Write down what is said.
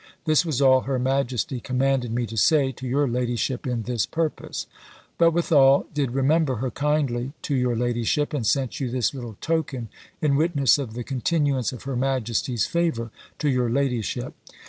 This was all her majesty commanded me to say to your ladyship in this purpose; but withal did remember her kindly to your ladyship, and sent you this little token in witness of the continuance of her majesty's favour to your ladyship.